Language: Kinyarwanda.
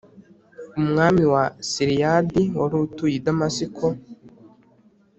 umwami wa Siriyadi wari utuye i Damasiko